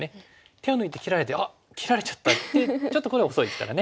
手を抜いて切られて「あっ切られちゃった」ってちょっとこれは遅いですからね。